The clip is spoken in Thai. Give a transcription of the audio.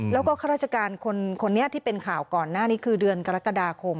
แล้วก็ข้าราชการคนนี้ที่เป็นข่าวก่อนหน้านี้คือเดือนกรกฎาคม